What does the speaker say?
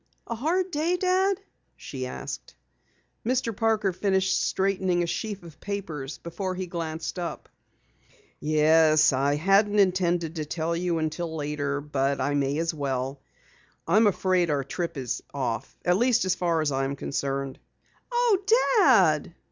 "A hard day, Dad?" she asked. Mr. Parker finished straightening a sheaf of papers before he glanced up. "Yes, I hadn't intended to tell you until later, but I may as well. I'm afraid our trip is off at least as far as I'm concerned." "Oh, Dad!"